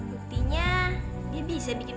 buktinya dia bisa bikin puisi seperti ini